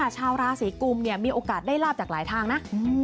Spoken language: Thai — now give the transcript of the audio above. ชาวราศีกุมมีโอกาสได้ลาบจากหลายทางนะ